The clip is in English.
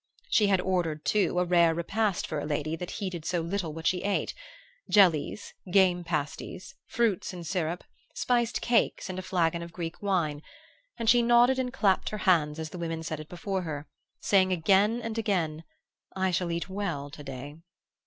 She had ordered, too, a rare repast for a lady that heeded so little what she ate jellies, game pasties, fruits in syrup, spiced cakes and a flagon of Greek wine; and she nodded and clapped her hands as the women set it before her, saying again and again, 'I shall eat well to day.